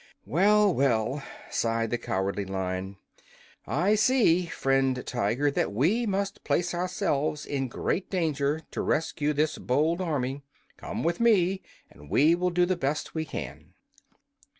"Well, well," sighed the Cowardly Lion, "I see, friend Tiger, that we must place ourselves in great danger to rescue this bold army. Come with me, and we will do the best we can."